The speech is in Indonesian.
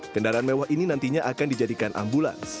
kendaraan mewah ini nantinya akan dijadikan ambulans